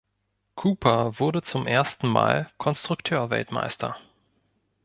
Cooper wurde zum ersten Mal Konstrukteursweltmeister.